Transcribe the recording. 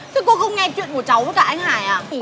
tức cô không nghe chuyện của cháu với cả anh hải à